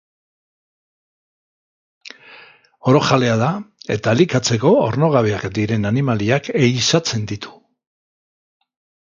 Orojalea da eta elikatzeko ornogabeak diren animaliak ehizatzen ditu.